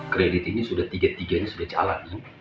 kredit ini sudah tiga tiga ini sudah jalan